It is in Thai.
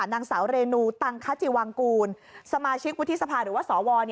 นางสาวเรนูตังคจิวังกูลสมาชิกวุฒิสภาหรือว่าสว